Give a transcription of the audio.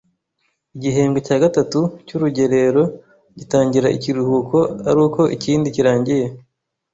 Igihembwe cya gatatu cy’urugerero gitangira ikiruhuko aruko ikindi kirangiye